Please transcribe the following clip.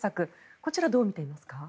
こちら、どう見ていますか？